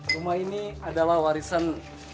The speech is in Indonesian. rumah ini adalah warisan